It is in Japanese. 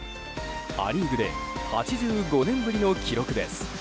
ア・リーグで８５年ぶりの記録です。